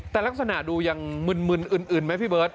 แต่ลักษณะดูยังมึนอื่นไหมพี่เบิร์ต